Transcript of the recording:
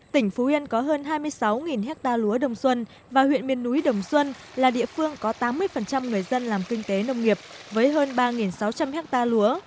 tỉnh phú yên có hơn hai mươi sáu hectare lúa đồng xuân và huyện miền núi đồng xuân là địa phương có tám mươi người dân làm kinh tế nông nghiệp với hơn ba sáu trăm linh ha lúa